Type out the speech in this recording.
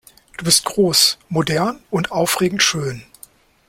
Du bist groß, modern und aufregend schön.